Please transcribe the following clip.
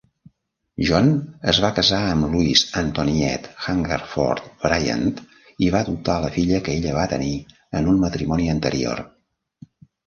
John es va casar amb Louise Antoinette Hungerford Bryant i va adoptar a la filla que ella va tenir en un matrimoni anterior.